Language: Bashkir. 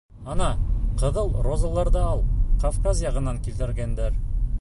Ана, ҡыҙыл розаларҙы ал, Кавказ яғынан килтергәндәр.